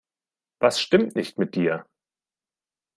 Was stimmt nicht mit dir?